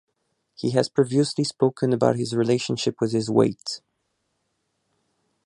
He has previously spoken about his relationship with his weight.